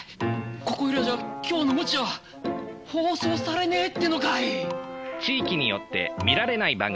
ここいらじゃ「今日の鞭」は放送されねえってのかい！